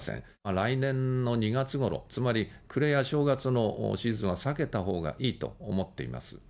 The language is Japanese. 来年の２月ごろ、つまり暮れや正月のシーズンは避けたほうがいいと思っています。